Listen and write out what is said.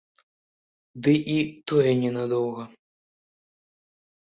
Ды і тое не надоўга.